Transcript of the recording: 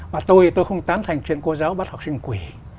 và tôi thì tôi không tán thành chuyện cô giáo bắt học sinh quỳ